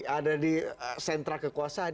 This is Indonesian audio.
ada di sentra kekuasaan